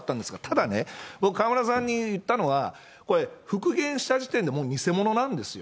ただね、僕、河村さんに言ったのは、これ、復元した時点で、もう偽物なんですよ。